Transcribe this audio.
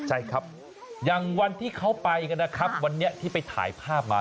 ใช่ครับอย่างวันที่เขาไปกันนะครับวันนี้ที่ไปถ่ายภาพมา